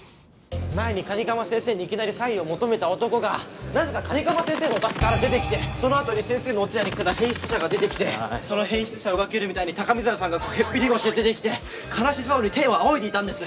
前に蟹釜先生にいきなりサインを求めた男がなぜか蟹釜先生のお宅から出てきてそのあとに先生のお通夜に来てた変質者が出てきてその変質者を追いかけるみたいに高見沢さんがへっぴり腰で出てきて悲しそうに天を仰いでいたんです。